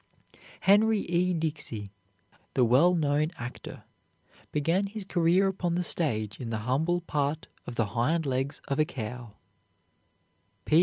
Henry E. Dixey, the well known actor, began his career upon the stage in the humble part of the hind legs of a cow.